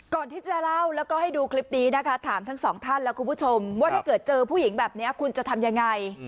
ก่อนที่จะเล่าแล้วก็ให้ดูคลิปนี้นะคะถามทั้งสองท่านแล้วคุณผู้ชมว่าถ้าเกิดเจอผู้หญิงแบบนี้คุณจะทำยังไง